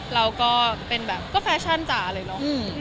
เราก็เป็นแบบแต่ก็แฟชั่นจ๊ะเลยนะ